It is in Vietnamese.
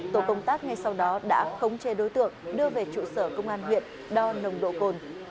tổ công tác ngay sau đó đã khống chế đối tượng đưa về trụ sở công an huyện đo nồng độ cồn